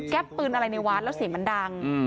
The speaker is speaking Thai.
แก๊บปืนอะไรในว้านแล้วเสียงมันดัง